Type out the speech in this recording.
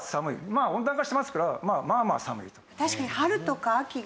まあ温暖化してますからまあまあ寒いと。